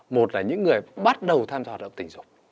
một là những người bắt đầu tham gia hoạt động tình dục